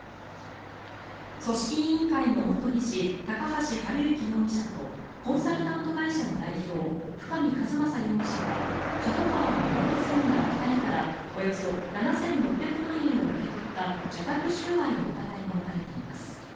組織委員会の元理事高橋治之容疑者とコンサルタント会社の代表深見和政容疑者はＫＡＤＯＫＡＷＡの元専務ら２人からおよそ７６００万円を受け取った受託収賄の疑いが持たれています。